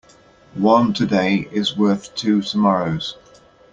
One today is worth two tomorrows.